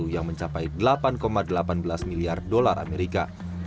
yang mencapai delapan delapan belas miliar dolar amerika